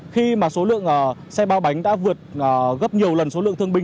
khi mà số lượng xe ba bánh đã vượt gấp nhiều lần số lượng thương binh